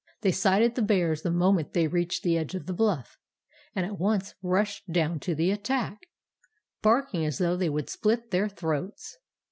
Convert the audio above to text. "They sighted the bears the moment they reached the edge of the bluff, and at once rushed down to the attack, barking as though they would split their throats.